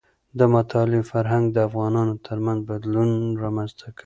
د مطالعې فرهنګ د افغانانو ترمنځ بدلون رامنځته کړي.